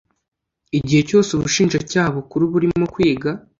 igihe cyose ubushinjacyaha bukuru burimo kwiga